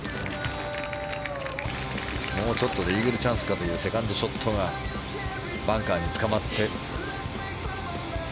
もうちょっとでイーグルチャンスかというセカンドショットがバンカーにつかまって。